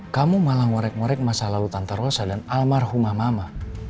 kamu malah ngorek ngorek masalah lutan terosa dan almarhumah mama